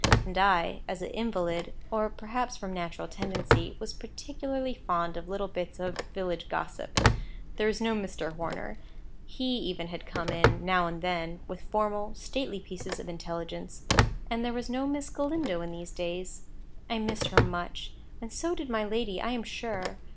And I, as an invalid, or perhaps from natural tendency, was particularly fond of little bits of village gossip. There was no Mr. Horner—he even had come in, now and then, with formal, stately pieces of intelligence—and there was no Miss Galindo in these days. I missed her much. And so did my lady, I am sure.